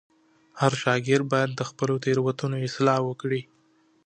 هر شاګرد باید د خپلو تېروتنو اصلاح وکړي.